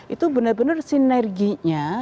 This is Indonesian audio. itu benar benar sinerginya